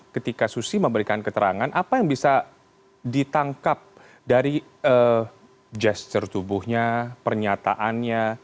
ketika susi memberikan keterangan apa yang bisa ditangkap dari gesture tubuhnya pernyataannya